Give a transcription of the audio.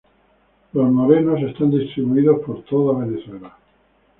Los morenos están distribuidos en toda Venezuela.